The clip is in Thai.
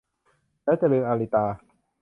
แล้วจะลืม - อาริตา